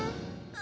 あ。